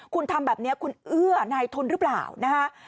คุณทำแบบนี้คุณเอื้อนายทุนหรือเปล่านะฮะ